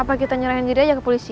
apa kita nyerahin diri aja ke polisi